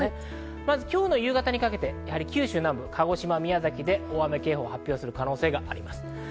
まず今日の夕方にかけて、九州南部、鹿児島、宮崎で大雨警報を発表する可能性があります。